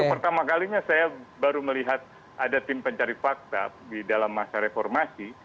pertama kalinya saya baru melihat ada tim pencari fakta di dalam masa reformasi